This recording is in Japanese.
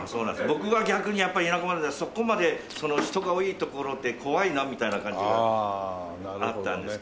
僕は逆にやっぱ田舎者でそこまで人が多い所って怖いなみたいな感じがあったんですけどね。